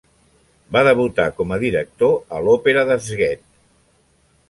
Va debutar com a director a l'òpera de Szeged.